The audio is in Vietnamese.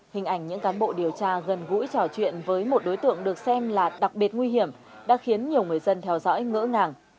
hình ảnh những cán bộ điều tra gần gũi trò chuyện với một đối tượng được xem là đặc biệt nguy hiểm đã khiến nhiều người dân theo dõi ngỡ ngàng